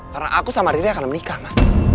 karena aku sama riri akan menikah ma